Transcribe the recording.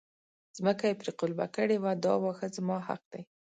ځمکه یې پرې قلبه کړې وه دا واښه زما حق دی.